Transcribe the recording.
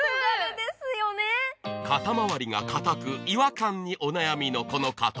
肩周りが硬く、違和感にお悩みのこの方。